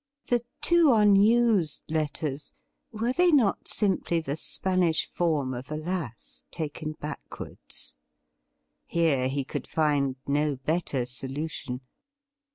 The two unused letters — ^were they not simply the Spanish form of 'Alas ' taken backwards ? Here he could find no better solution.